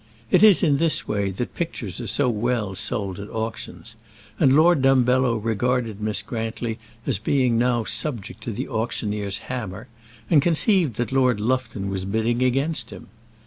It is in this way that pictures are so well sold at auctions; and Lord Dumbello regarded Miss Grantly as being now subject to the auctioneer's hammer, and conceived that Lord Lufton was bidding against him.